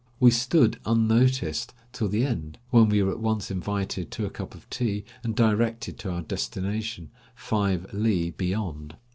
We stood unnoticed till the end, when we were at once invited to a cup of tea, and directed to our destination, five li beyond.